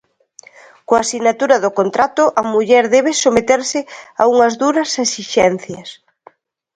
Coa sinatura do contrato, a muller debe someterse a unhas duras exixencias.